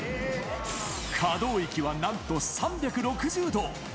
可動域はなんと３６０度。